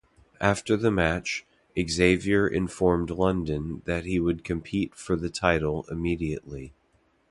After the match, Xavier informed London that he would compete for the title immediately.